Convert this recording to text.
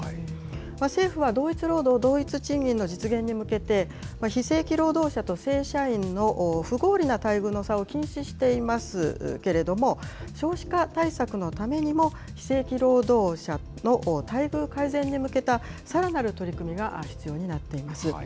政府は、同一労働同一賃金の実現に向けて、非正規労働者と正社員の不合理な待遇の差を禁止していますけれども、少子化対策のためにも、非正規労働者の待遇改善に向けたさらなる取り組みが必要になっています。